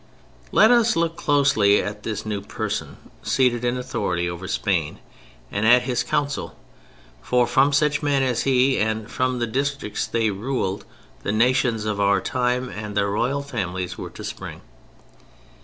Let us look closely at this new person seated in authority over Spain, and at his Council: for from such men as he, and from the districts they ruled, the nations of our time and their royal families were to spring.